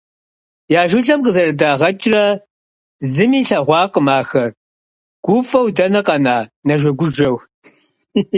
Я жылэм къызэрыдагъэкӀрэ зыми илъэгъуакъым ахэр, гуфӀэу дэнэ къэна, нэжэгужэу.